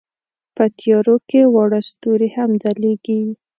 په تیارو کې واړه ستوري هم ځلېږي.